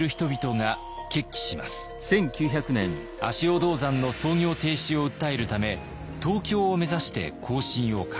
足尾銅山の操業停止を訴えるため東京を目指して行進を開始。